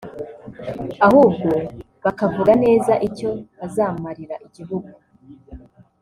ahubwo bakavuga neza icyo bazamarira igihugu